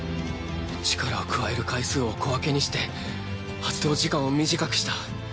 力を加える回数を小分けにして発動時間を短くした。